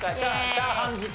チャーハン好き？